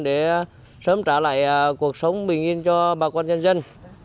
để sớm trả lại cuộc sống bình yên cho bà con nhân dân